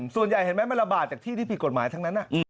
เห็นไหมมันระบาดจากที่ที่ผิดกฎหมายทั้งนั้น